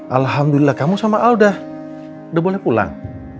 alhamdulillah kamu sama alda udah boleh pulang